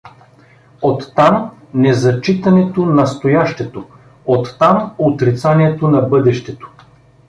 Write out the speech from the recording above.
Оттам — незачитането настоящето, оттам — отрицанието на бъдащето.